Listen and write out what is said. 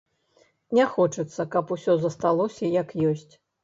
Не хочацца, каб усё засталося, як ёсць.